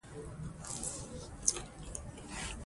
په افغانستان کې ځمکنی شکل د خلکو د اعتقاداتو سره تړاو لري.